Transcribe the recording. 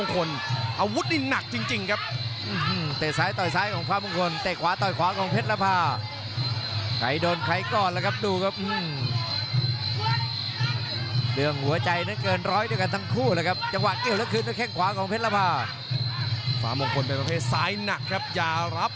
ขวาครับอ้าวปล่อมด้วยฮุกซ้ายครับ